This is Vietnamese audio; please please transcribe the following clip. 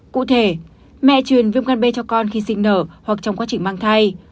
cụ thể mẹ truyền viêm gan b cho con khi sinh nở hoặc trong quá trình mang thai